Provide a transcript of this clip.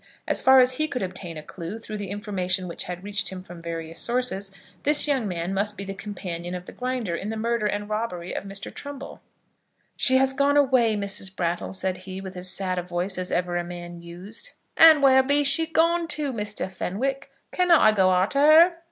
As far as he could obtain a clue, through the information which had reached him from various sources, this young man must be the companion of the Grinder in the murder and robbery of Mr. Trumbull. "She has gone away, Mrs. Brattle," said he, with as sad a voice as ever a man used. "And where be she gone to, Mr. Fenwick? Cannot I go arter her?"